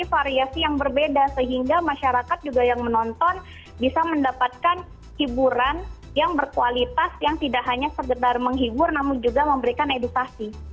variasi yang berbeda sehingga masyarakat juga yang menonton bisa mendapatkan hiburan yang berkualitas yang tidak hanya sekedar menghibur namun juga memberikan edukasi